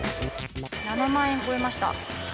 ７万円超えました。